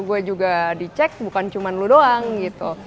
gue juga dicek bukan cuma lo doang gitu